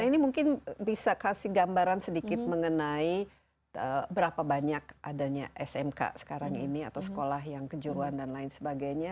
nah ini mungkin bisa kasih gambaran sedikit mengenai berapa banyak adanya smk sekarang ini atau sekolah yang kejuruan dan lain sebagainya